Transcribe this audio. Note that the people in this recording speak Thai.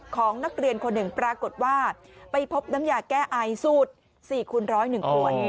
ของนักเรียนคนหนึ่งปรากฏว่าไปพบน้ำยาแก้ไอสูตร๔คูณ๑๐๑ขวด